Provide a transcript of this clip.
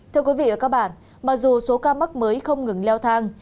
thưa quý vị và các bạn mặc dù số ca mắc mới không ngừng leo thang